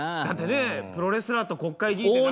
だってねプロレスラーと国会議員。